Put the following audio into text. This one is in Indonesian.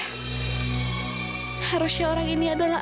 harusnya orang ini adalah